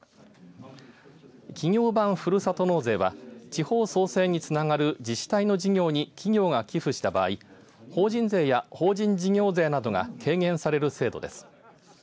企業版ふるさと納税は地方創生につながる自治体の事業に企業が寄付した場合法人税や法人事業税などが軽減される制度です。